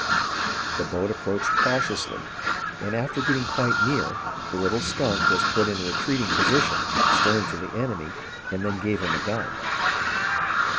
The boat approached cautiously, and, after getting quite near, the little Skunk was put in a retreating position, stern to the enemy, and then gave him a gun.